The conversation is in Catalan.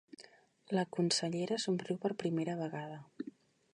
La consellera somriu per primera vegada.